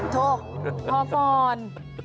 โทรพอก่อน